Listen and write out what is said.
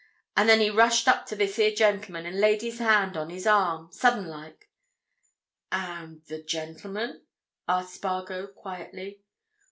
And then he rushed up to this here gentleman, and laid his hand on his arm—sudden like." "And—the gentleman?" asked Spargo, quietly.